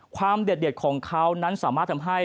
ความเดี๋ยดของเขานั้นสามารถทำให้